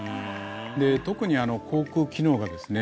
で特に口腔機能がですね